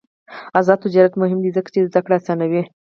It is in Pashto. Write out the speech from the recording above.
آزاد تجارت مهم دی ځکه چې زدکړه اسانوي.